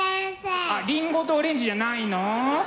あっ「りんごとオレンジ」じゃないの？